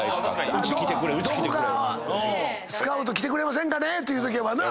「どこかスカウト来てくれませんかね？」って言うとけばな。